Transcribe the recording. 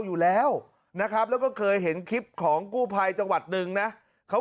อยู่แล้วนะครับแล้วก็เคยเห็นคลิปของกู้ภัยจังหวัดหนึ่งนะเขา